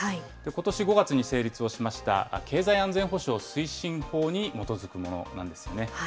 ことし５月に成立をしました経済安全保障推進法に基づくものなんですよね。